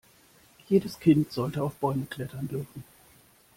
Jedes Kind sollte auf Bäume klettern dürfen.